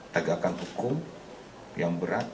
tegakkan hukum yang berat